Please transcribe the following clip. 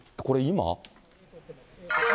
これ、今？